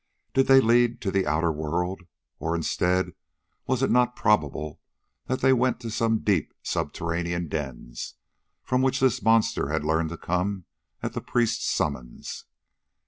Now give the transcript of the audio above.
Did they lead to the outer world? Or, instead, was it not probable that they went to some deep, subterranean dens, from which this monster had learned to come at the priests' summons?